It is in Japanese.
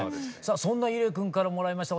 そんな伊礼君からもらいましたお写真